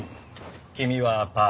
君は「パー」。